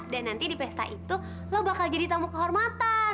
dan nanti di pesta itu lo bakal jadi tamu kehormatan